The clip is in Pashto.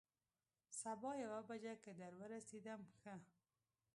سبا یوه بجه که در ورسېدم، ښه.